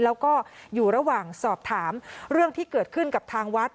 แล้วก็อยู่ระหว่างสอบถามเรื่องที่เกิดขึ้นกับทางวัด